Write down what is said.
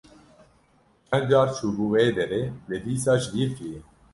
Çend car çûbû wê derê, lê dîsa ji bîr kiriye.